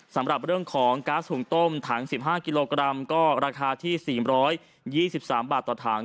สำหรับเรื่องของก๊าซหุงต้มถัง๑๕กิโลกรัมก็ราคาที่๔๒๓บาทต่อถัง